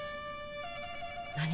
何？